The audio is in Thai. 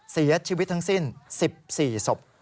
เสียชีวิตทั้งสิ้น๑๔ศพ